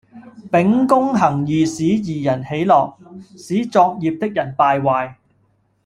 秉公行義使義人喜樂，使作孽的人敗壞